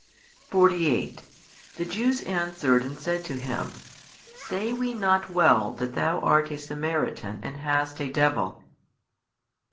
48 The Jews answered and said to Him, Say we not well that Thou art a Samaritan and hast a devil?